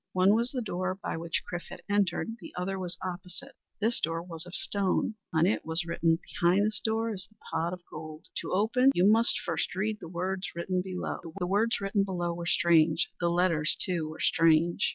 One was the door by which Chrif had entered. The other was opposite. This door was of stone. On it was written: "Behind this door is the Pot of Gold. To open you must first read the words written below." The words written below were strange; the letters too were strange.